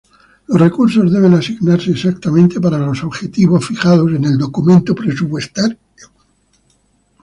Los recursos deben asignarse exactamente para los objetivo fijados en el documento presupuestario.